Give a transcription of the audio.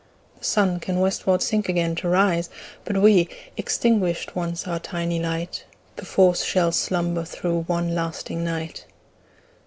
The Suns can westward sink again to rise But we, extinguished once our tiny light, 5 Perforce shall slumber through one lasting night!